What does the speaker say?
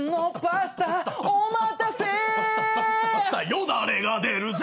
「よだれが出るぜ」